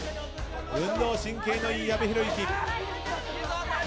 運動神経のいい矢部浩之。